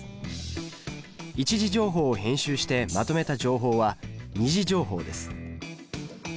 一次情報を編集してまとめた情報は二次情報です。